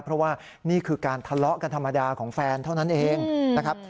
เพราะว่านี่คือการทะเลาะกันธรรมดาของแฟนเท่านั้นเองนะครับ